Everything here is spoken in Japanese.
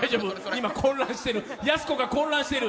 今混乱してる、やす子が混乱してる。